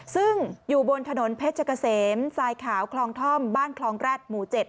ซึ่งอยู่บนถนนเพชรเกษมทรายขาวคลองท่อมบ้านคลองแร็ดหมู่๗